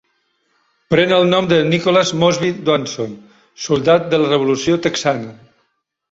Pren el nom de Nicholas Mosby Dawson, soldat de la revolució texana.